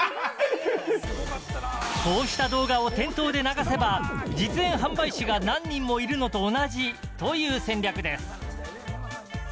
こうした動画を店頭で流せば実演販売士が何人もいるのと同じという戦略です。